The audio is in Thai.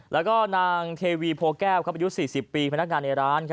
แล้วก็นางเทวีโพแก้วอายุ๔๐ปีพนักงานในร้าน